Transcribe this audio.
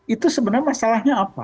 itu sebenarnya masalahnya apa